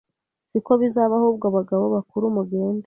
Si ko bizaba ahubwo abagabo bakuru mugende